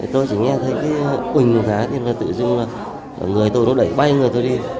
tôi chỉ nghe thấy cái hình một tháng tự dưng là người tôi nó đẩy bay người tôi đi